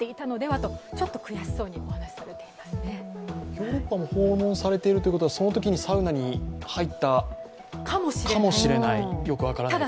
ヨーロッパも訪問されているということはそのときにサウナに入ったかもしれない、よく分からないけど。